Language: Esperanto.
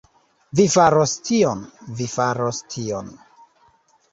Vi faros tion... vi faros tion...